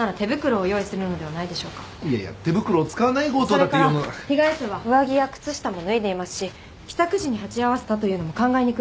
それから被害者は上着や靴下も脱いでいますし帰宅時に鉢合わせたというのも考えにくいです。